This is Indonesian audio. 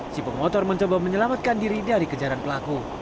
si pemotor mencoba menyelamatkan diri dari kejaran pelaku